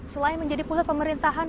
selain menjadi pusat pemerintahan